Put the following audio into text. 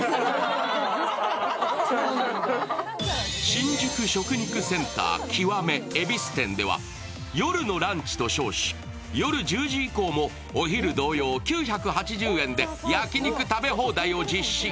新宿食肉センター極恵比寿店では、夜のランチと称し、夜１０時以降も９８０円で焼き肉食べ放題を実施。